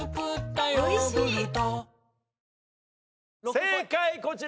正解こちら！